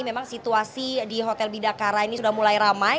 memang situasi di hotel bidakara ini sudah mulai ramai